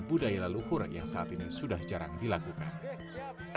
budaya leluhur yang saat ini sudah jarang dilakukan